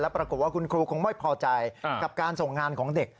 ปรากฏว่าคุณครูคงไม่พอใจกับการส่งงานของเด็ก